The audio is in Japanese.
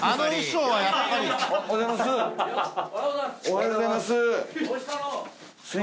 おはようございます。